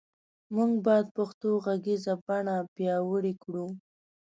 مونږ باد پښتو غږیزه بڼه پیاوړی کړو